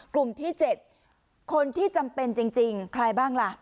กลุ่มที่๗คนที่จำเป็นจริงใครบ้างล่ะ